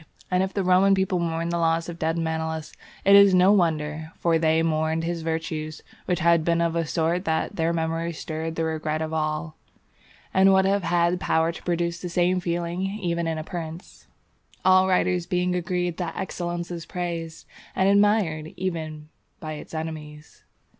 And if the Roman people mourned the loss of the dead Manlius, it is no wonder; for they mourned his virtues, which had been of such a sort that their memory stirred the regret of all, and would have had power to produce the same feelings even in a prince; all writers being agreed that excellence is praised and admired even by its enemies.